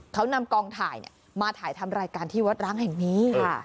เขานำกองถ่ายมาถ่ายทำรายการที่วัดร้างแห่งนี้